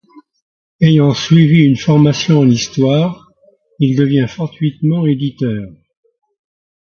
Ayant suivi une formation en histoire, il devient fortuitement éditeur.